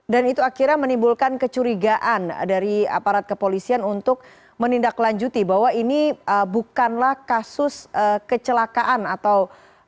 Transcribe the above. dan itu akhirnya menimbulkan kecurigaan dari aparat kepolisian untuk menindaklanjuti bahwa ini bukanlah kasus kecelakaan atau